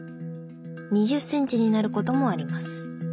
２０センチになることもあります。